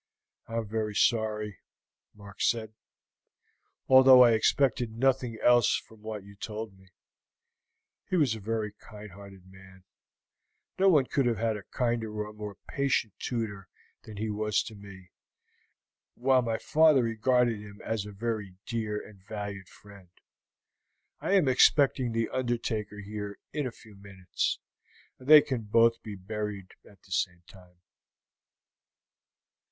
"I am very sorry," Mark said, "although I expected nothing else from what you told me: He was a very kind hearted man; no one could have had a kinder or more patient tutor than he was to me, while my father regarded him as a very dear and valued friend. I am expecting the undertaker here in a few minutes, and they can both be buried at the same time."